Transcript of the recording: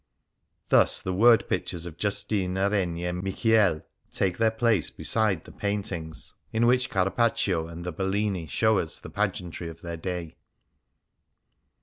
Thus the word pictures of Giustina Renier Michiel take their place beside the paintings 112 Fasts and Festivals in which Carpaccio and the Bellini show us the pageantry of their day.